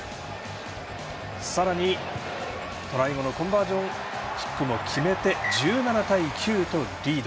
さらにトライ後のコンバージョンキックも決めて１７対９とリード。